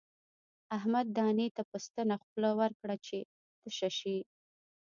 احمد دانې ته په ستنه خوله ورکړه چې تشه شي.